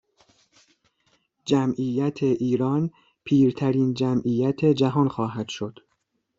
جمعیت ایران پیرترین جمعیت جهان خواهد شد